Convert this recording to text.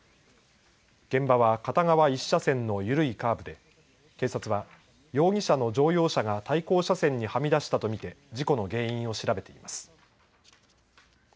現場は片側１車線の緩いカーブで警察は容疑者の乗用車が対向車線にはみ出したと見て事故の原因を調べています。